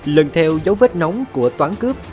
lần theo dấu vết nóng của toán cướp